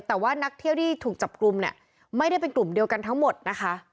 แต่ว่านักเที่ยวที่ถูกจับกลุ่มเนี่ยไม่ได้เป็นกลุ่มเดียวกันทั้งหมดนะคะ